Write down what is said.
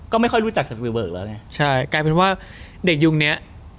ก็ไม่ค่อยรู้จักสวิวเวิร์กแล้วไงใช่กลายเป็นว่าเด็กยุคเนี้ย